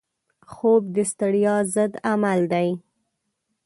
خوب د ستړیا ضد عمل دی